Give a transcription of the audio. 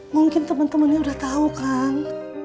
mungkin temen temennya udah tahu kang